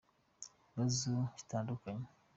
Ibibazo bitadukanye.